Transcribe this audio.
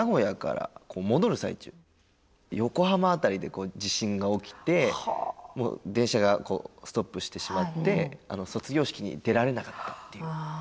横浜辺りで地震が起きて電車がストップしてしまって卒業式に出られなかったっていう。